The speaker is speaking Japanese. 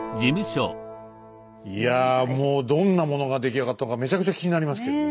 いやもうどんなものが出来上がったかめちゃくちゃ気になりますけどもね。